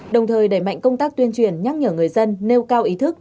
đồng thời đẩy mạnh công tác tuyên truyền nhắc nhở người dân nêu cao ý thức